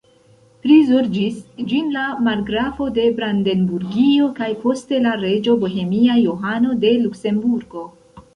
Prizorĝis ĝin la margrafo de Brandenburgio kaj poste la reĝo bohemia Johano de Luksemburgo.